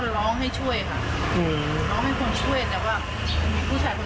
ที่นี่มีปัญหา